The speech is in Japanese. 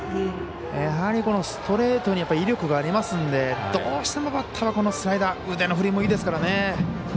やはり、このストレートに威力がありますのでどうしてもバッターはスライダー腕の振りもいいですからね。